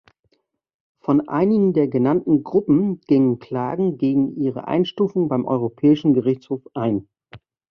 Von einigen der genannten Gruppen gingen Klagen gegen ihre Einstufung beim Europäischen Gerichtshof ein.